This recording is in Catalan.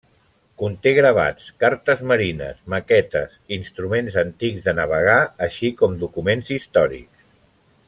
Conté gravats, cartes marines, maquetes, instruments antics de navegar així com documents històrics.